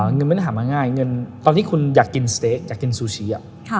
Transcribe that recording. เงินไม่ได้หามาง่ายเงินตอนที่คุณอยากกินสเต๊กอยากกินซูชิ